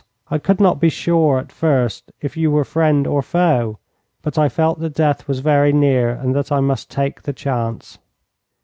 I could not be sure at first if you were friend or foe, but I felt that death was very near, and that I must take the chance.'